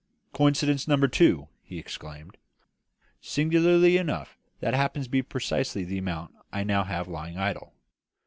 "Coincidence number two!" he exclaimed. "Singularly enough, that happens to be precisely the amount I now have lying idle.